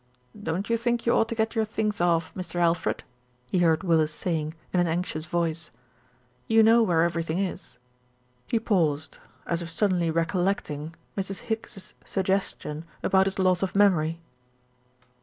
"Don't you think you ought to get your things off, Mr. Alfred?" he heard Willis saying in an anxious voice. "You know where everything is " he paused, as if suddenly recollecting Mrs. Higgs's suggestion about his loss of memory.